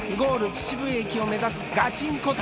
秩父駅を目指すガチンコ旅。